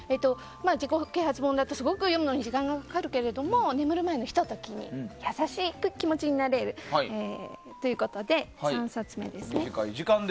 自己啓発本だと読むのにすごく時間がかかるけど眠る前のひと時に優しい気持ちになれるということで３冊目です。